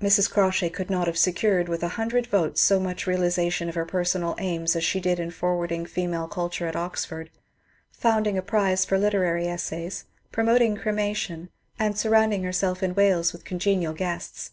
Mrs. Crawshay could not have secured with a hundred votes so much realization of her personal aims as she did in forwarding female culture at Oxford, founding a prize for literary essays, promoting cremation, and surrounding herself in Wales with congenial guests.